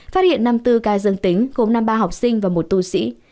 phát hiện năm mươi bốn ca dương tính gồm năm mươi ba học sinh và một tù sĩ